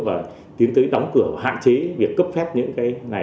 và tiến tới đóng cửa hạn chế việc cấp phép những cái này